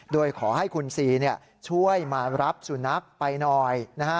โดยขอให้คุณซีช่วยมารับสุนัขไปหน่อยนะฮะ